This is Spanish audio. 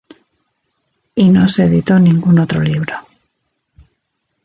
Y no se editó ningún otro libro.